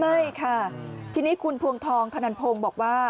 ใช่ค่ะทีนี้คุณพวงทองธนันพงศ์บอกว่า